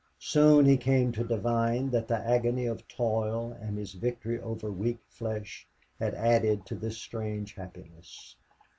Soon he came to divine that the agony of toil and his victory over weak flesh had added to his strange happiness.